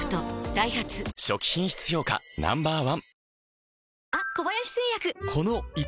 ダイハツ初期品質評価Ｎｏ．１